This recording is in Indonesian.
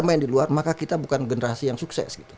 main di luar maka kita bukan generasi yang sukses gitu